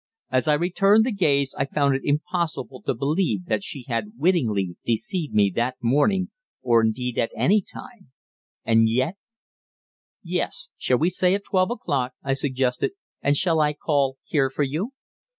As I returned the gaze I found it impossible to believe that she had wittingly deceived me that morning, or indeed at any time, and yet "Yes. Shall we say at twelve o'clock?" I suggested. "And shall I call here for you?"